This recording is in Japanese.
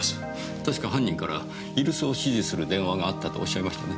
確か犯人から居留守を指示する電話があったとおっしゃいましたね？